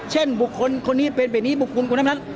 เช่นบุคคลคนนี้เป็นบุคคุณคนนั้น